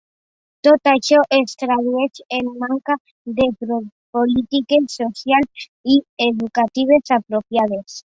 Tot això es tradueix en manca de polítiques socials i educatives apropiades.